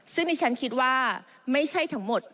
ซึ่งดิฉันคิดว่าไม่ใช่ทั้งหมด